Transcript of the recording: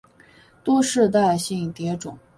多世代性蝶种。